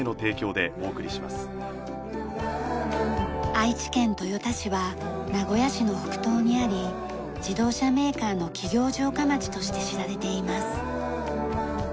愛知県豊田市は名古屋市の北東にあり自動車メーカーの企業城下町として知られています。